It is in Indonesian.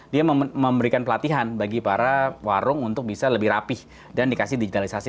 dia memberikan pelatihan bagi para warung untuk bisa lebih rapih dan dikasih digitalisasi